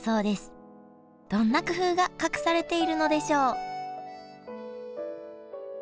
どんな工夫が隠されているのでしょう？